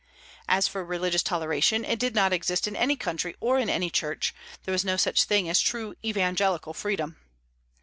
As for religious toleration, it did not exist in any country or in any church; there was no such thing as true evangelical freedom.